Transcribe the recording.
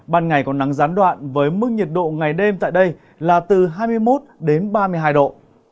ban ngày có nắng gián đoạn với mức nhiệt độ ngày đêm tại đây là từ hai mươi một đến ba mươi hai độ